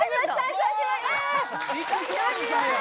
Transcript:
久しぶり。